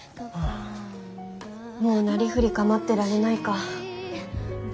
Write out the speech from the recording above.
もうなりふり構ってられないか。